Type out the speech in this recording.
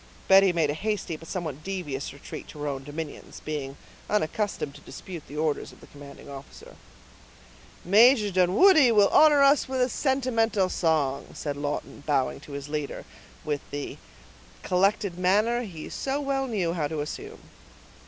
Betty made a hasty but somewhat devious retreat to her own dominions, being unaccustomed to dispute the orders of the commanding officer. "Major Dunwoodie will honor us with a sentimental song," said Lawton, bowing to his leader, with the collected manner he so well knew how to assume.